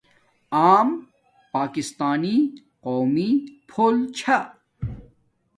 آم پاکستانی قومی فول چھا